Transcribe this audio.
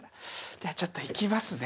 じゃちょっといきますね。